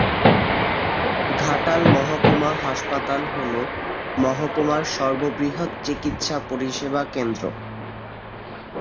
ঘাটাল মহকুমা হাসপাতাল হল মহকুমার সর্ববৃহৎ চিকিৎসা পরিষেবা কেন্দ্র।